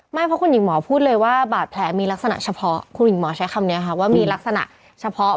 ไม่เพราะคุณหญิงหมอพูดเลยว่าบาดแผลมีลักษณะเฉพาะคุณหญิงหมอใช้คำนี้ค่ะว่ามีลักษณะเฉพาะ